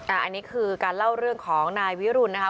อันนี้คือการเล่าเรื่องของนายวิรุณนะคะ